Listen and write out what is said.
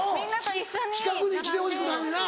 近くに来てほしくないねんな。